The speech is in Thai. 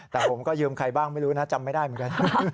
แต่ผมก็ยืมใครบ้างไม่รู้นะจำไม่ได้เหมือนกัน